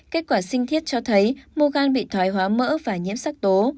kết quả sinh thiết cho thấy mô gan bị thoái hóa mỡ và nhiễm sắc tố